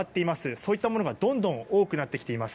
そういったものがどんどん多くなってきています。